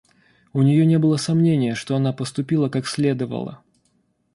У нее не было сомнения, что она поступила как следовало.